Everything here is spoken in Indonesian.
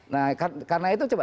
nah karena itu coba